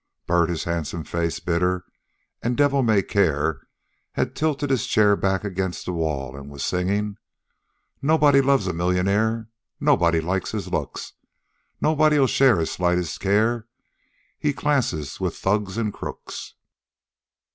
Bert, his handsome face bitter and devil may care, had tilted his chair back against the wall and was singing "Nobody loves a mil yun aire, Nobody likes his looks, Nobody'll share his slightest care, He classes with thugs and crooks."